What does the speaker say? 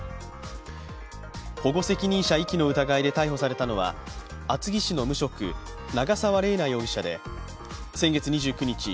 保護責任者遺棄の疑いで逮捕されたのは、厚木市の無職、長沢麗奈容疑者で先月２９日